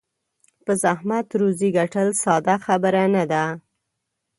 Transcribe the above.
په زحمت روزي ګټل ساده خبره نه ده.